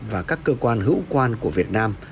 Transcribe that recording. và các cơ quan hữu quan của việt nam